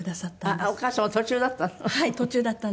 お母様途中だったの？